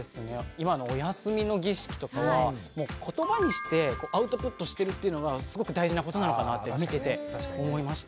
今のおやすみの儀式とかは言葉にしてアウトプットしてるっていうのがすごく大事なことなのかなって見てて思いましたね。